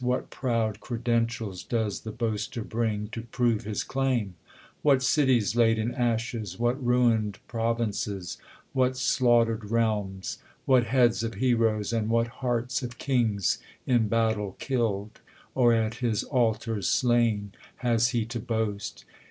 What proud credentials does the boaster bring, To prove his claim '? What cities laid in ashes, What ruin'd provinces, what slaughter'd realms. What heads of hei^oes, and what hearts of kings. In battle kilPd, or at his altars slain, Has he to boast